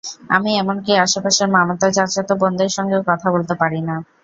আমি এমনকি আশপাশের মামাতো, চাচাতো বোনদের সঙ্গেও কথা বলতে পারি না।